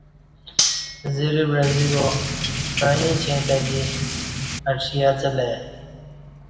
زرہ بعزی با کعیں اچین تہ دی اڄی اڅہ لای